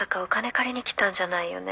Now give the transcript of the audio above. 借りにきたんじゃないよね？